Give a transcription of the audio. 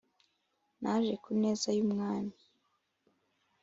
Naje ku neza y'umwami